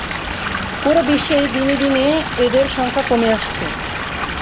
পুরো বিশ্বেই দিনে দিনে এদের সংখ্যা কমে আসছে।